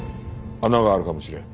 穴があるかもしれん。